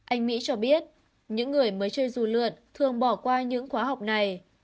anh nghĩ cho biết những người mới chơi rủ lượn thường bỏ qua những khóa học này